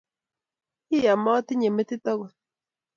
iyaa motinye metit agot.